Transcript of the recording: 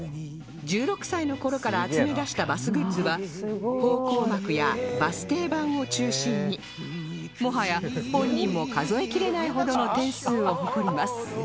１６歳の頃から集めだしたバスグッズは方向幕やバス停板を中心にもはや本人も数え切れないほどの点数を誇ります